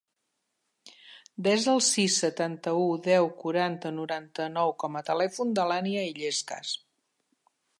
Desa el sis, setanta-u, deu, quaranta, noranta-nou com a telèfon de l'Ànnia Illescas.